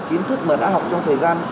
kiến thức mà đã học trong thời gian